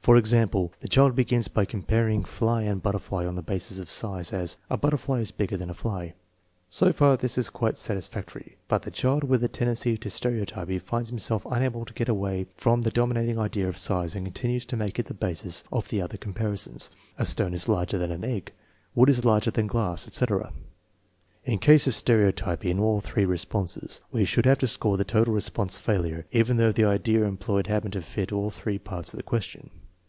For example, the child begins by comparing fly and butterfly on the basis of size; as, " A butterfly is bigger than a fly." So far, this is quite satisfactory; but the child with a ten dency to stereotypy finds himself unable to get away from the dominating idea of size and continues to make it the basis of the other comparisons : "A stone is larger than an egg," " Wood is larger than glass, 9 * etc. In case of stereotypy in all three responses, we should have to score the total response failure even though the idea employed happened to fit all three parts of the question.